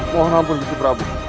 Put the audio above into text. mohon ampun jeput prabu